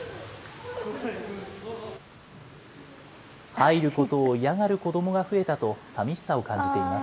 入ることを嫌がる子どもが増えたと、さみしさを感じています。